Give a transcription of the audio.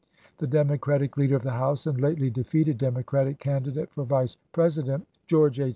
The Democratic leader of the House, and lately defeated Democratic candidate for Vice President, George H.